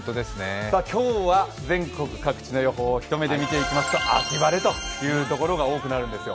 今日は全国各地の予想、一目で見ていきますと秋晴れというところが多くなるんですよ。